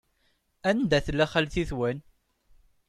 Anda tella xalti-twen?